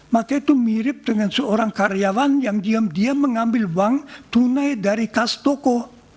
maka itu mirip dengan seorang karyawan yang diam diam mengambil uang tunai dari tas toko